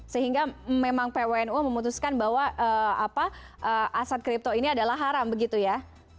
sehingga memang pwnu memutuskan bahwa aset kripto ini adalah haram begitu ya